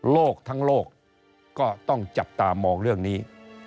ทั้งโลกก็ต้องจับตามองเรื่องนี้